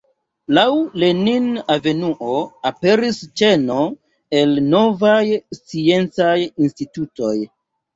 Laŭ Lenin-avenuo aperis ĉeno el novaj sciencaj institutoj.